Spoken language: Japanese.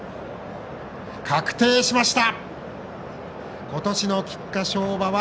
確定しました。